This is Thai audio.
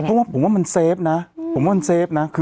เพราะว่าผมว่ามันเซฟนะ